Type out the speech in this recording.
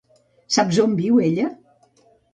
Saps on viu ella?